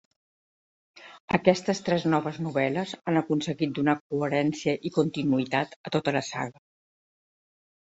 Aquestes tres noves novel·les han aconseguit donar coherència i continuïtat a tota la saga.